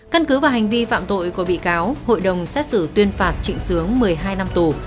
căn cứ và hành vi phạm tội của bị cáo hội đồng xét xử tuyên phạt trịnh sướng một mươi hai năm tù